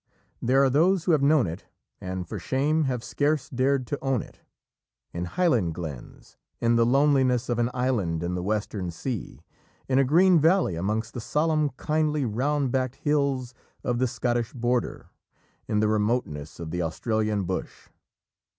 There are those who have known it, and for shame have scarce dared to own it, in highland glens, in the loneliness of an island in the western sea, in a green valley amongst the "solemn, kindly, round backed hills" of the Scottish Border, in the remoteness of the Australian bush.